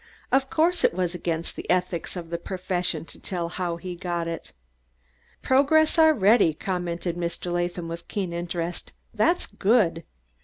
Of course it was against the ethics of the profession to tell how he got it. "Progress already," commented Mr. Latham with keen interest. "That's good."